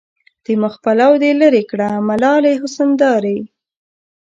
د مخ پلو دې لېري کړه ملالې حسن دارې